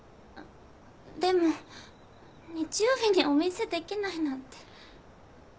でも日曜日にお店できないなんて。